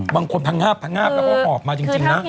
บางคนพังงาบพังงาบแล้วก็ออกมาจริงนะ